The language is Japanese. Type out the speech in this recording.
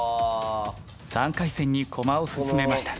３回戦に駒を進めました。